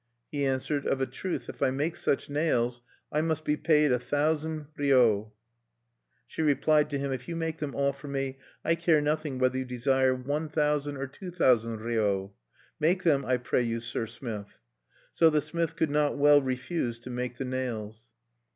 He answered: "Of a truth, if I make such nails, I must be paid a thousand ryo(3)." She replied to him: "If you make them all for me, I care nothing whether you desire one thousand or two thousand ryo. Make them, I beseech you, sir smith." So the smith could not well refuse to make the nails.